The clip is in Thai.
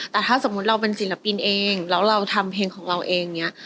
แต่ถ้าสมมุติเราเป็นศิลปินเองแล้วเราทำเพลงของเราเองอย่างนี้